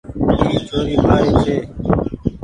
اي ڇوري مآري ڇي۔